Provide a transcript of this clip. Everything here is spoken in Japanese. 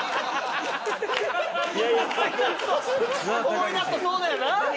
思い出すとそうだよな！